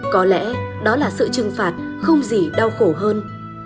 có lẽ đó là sự trừng phạt không gì đau khổ hơn